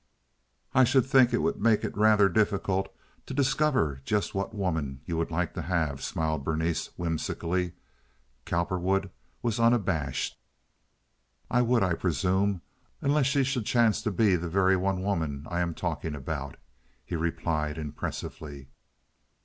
"I should think it would make it rather difficult for any one woman to discover just which woman you would like to have?" smiled Berenice, whimsically. Cowperwood was unabashed. "It would, I presume, unless she should chance to be the very one woman I am talking about," he replied, impressively.